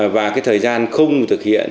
và cái thời gian không thực hiện